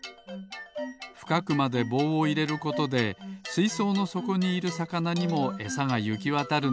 ふかくまでぼうをいれることですいそうのそこにいるさかなにもエサがゆきわたるのです。